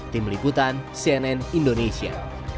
tim liputan cnn indonesia